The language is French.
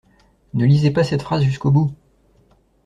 Ne lisez pas cette phrase jusqu'au bout.